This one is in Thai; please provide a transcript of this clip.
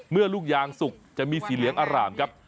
ลูกยางสุกจะมีสีเหลืองอร่ามครับ